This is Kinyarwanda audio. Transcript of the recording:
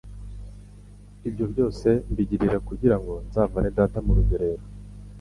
ibyo byose mbigirira kugira ngo nzavane data mu rugerero